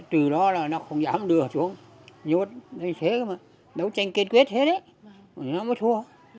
trừ đó là nó không dám đưa xuống nhốt lên xế đấu tranh kết quyết hết nó mới thua